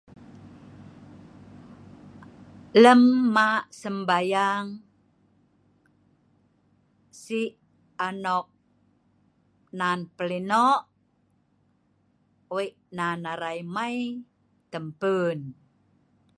Lem mak sembahyang sik anok nan plenok we’ik nan arei mei tempun